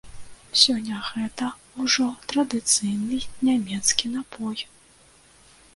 Сёння гэта ўжо традыцыйны нямецкі напой.